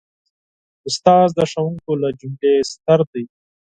استاد د ښوونکو له جملې ستر دی.